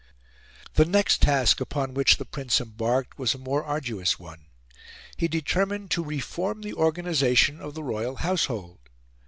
The next task upon which the Prince embarked was a more arduous one: he determined to reform the organisation of the royal household.